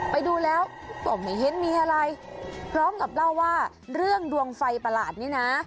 ไปดูแล้วก็ไม่เห็นมีอะไรพร้อมกับเล่าว่าเรื่องดวงไฟประหลาดนี้นะ